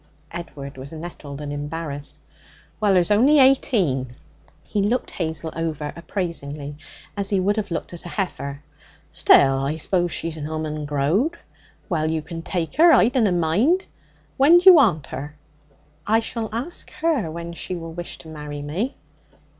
Edward was nettled and embarrassed. 'Well, 'er's only eighteen.' He looked Hazel over appraisingly, as he would have looked at a heifer. 'Still, I suppose she's an 'ooman growed. Well, you can take her. I dunna mind. When d'you want her?' I shall ask her when she will wish to marry me.'